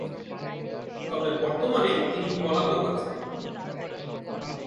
তবে বর্তমানে তিনি পলাতক আছেন।